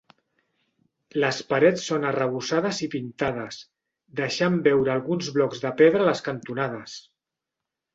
Les parets són arrebossades i pintades, deixant veure alguns blocs de pedra a les cantonades.